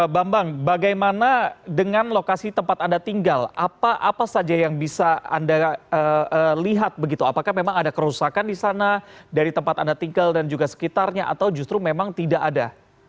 bambang bagaimana dengan lokasi tempat anda tinggal apa saja yang bisa anda lihat begitu apakah memang ada kerusakan di sana dari tempat anda tinggal dan juga sekitarnya atau justru memang tidak ada